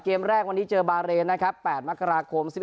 เกมแรกวันนี้เจอบาเล๘มกราคม